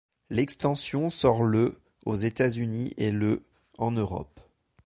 L'extension sort le aux États-Unis et le en Europe.